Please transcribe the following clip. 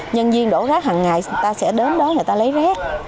nhân viên đổ rác hằng ngày ta sẽ đến đó người ta lấy rác